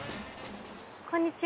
こんにちは。